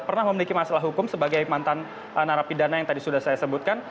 pernah memiliki masalah hukum sebagai mantan narapidana yang tadi sudah saya sebutkan